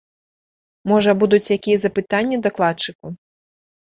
Можа, будуць якія запытанні дакладчыку?